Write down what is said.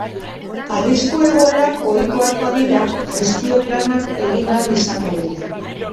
Arrisku egoerak ohikoak badira, gestio planak egin ahal izango dira.